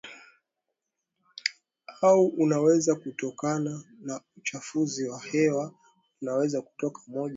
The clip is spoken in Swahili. au unaweza kutokana naUchafuzi wa hewa unaweza kutoka moja